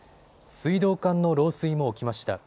水道管の漏水も起きました。